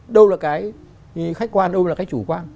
đâu là cái khách quan đâu là cái chủ quan